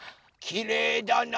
きれいだな。